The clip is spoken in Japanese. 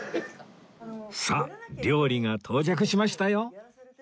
さあ料理が到着しましたよ